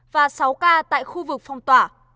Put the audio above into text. và sáu ca tại khu vực phong tỏa